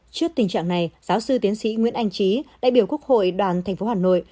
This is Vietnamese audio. trước tình trạng này giáo sư tiến sĩ nguyễn anh trí đại biểu quốc hội đoàn tp hà nội